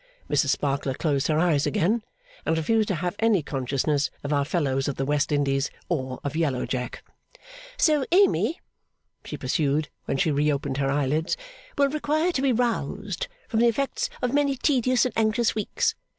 Mrs Sparkler closed her eyes again, and refused to have any consciousness of our fellows of the West Indies, or of Yellow Jack. 'So, Amy,' she pursued, when she reopened her eyelids, 'will require to be roused from the effects of many tedious and anxious weeks.